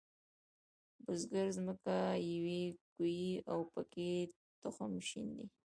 بزګر ځمکه یوي کوي او پکې تخم شیندي.